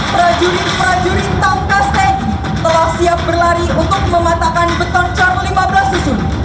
prajurit prajurit tangkas tagi telah siap berlari untuk mematakan betoncat lima belas susun